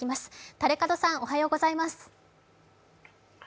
垂門さん、おはようございます。